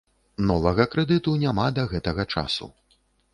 Новага крэдыту няма да гэтага часу.